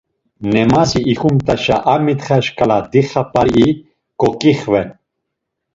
Nemazi ikumt̆aşa a mitxa şǩala dixap̌arii ǩoǩixven.